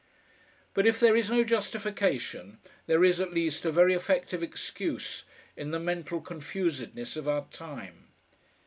But if there is no justification there is at least a very effective excuse in the mental confusedness of our time.